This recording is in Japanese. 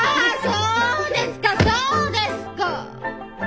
そうですかそうですか！